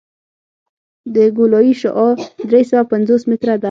د ګولایي شعاع درې سوه پنځوس متره ده